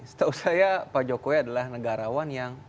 setahu saya pak jokowi adalah negarawan yang